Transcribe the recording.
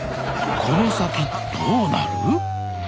この先どうなる？